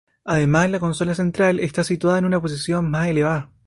Además la consola central está situada en una posición más elevada.